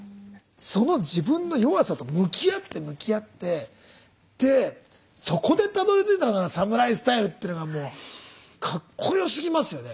その自分の弱さと向き合って向き合ってそこでたどりついたのがサムライスタイルっていうのがもうかっこよすぎますよね。